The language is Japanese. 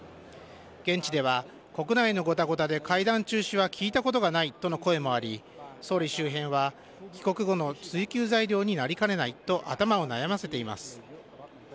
現地では国内のごたごたで会談中止は聞いたことがないとの声もあり総理周辺は帰国後の追及材料になりかねないと頭を悩ませています。